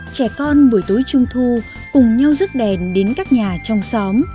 trẻ con buổi tối trung thu cùng nhau rước đèn đến các nhà trong xóm